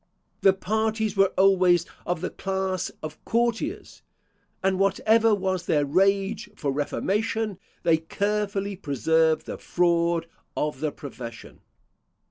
The parties were always of the class of courtiers; and whatever was their rage for reformation, they carefully preserved the fraud of the profession.